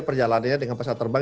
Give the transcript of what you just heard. perjalanannya dengan pesawat terbang